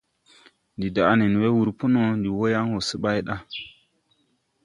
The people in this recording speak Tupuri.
Ndi daʼ nen we wúr pō no, ndi wɔ yan wɔɔ se bay da.